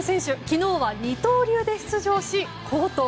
昨日は二刀流で出場し、好投。